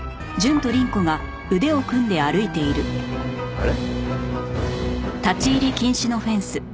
あれ？